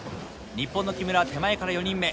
日本の木村手前から４人目。